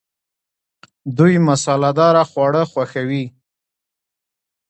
دوی مساله دار خواړه خوښوي.